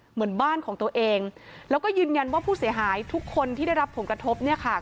เหมือนบ้านของตัวเองแล้วก็ยืนยันว่าผู้เสียหายทุกคนที่ได้รับผลกระทบเนี่ยค่ะ